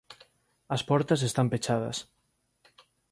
As portas están pechadas.